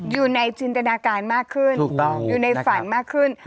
อยู่ในจินตนาการมากขึ้นอยู่ในฝันมากขึ้น